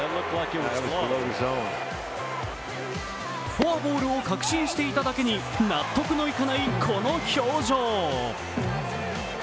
フォアボールを確信していただけに納得がいかないこの表情。